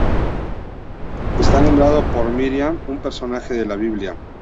Está nombrado por Miriam, un personaje de la Biblia.